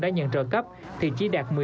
đã nhận trợ cấp thì chỉ đạt một mươi sáu năm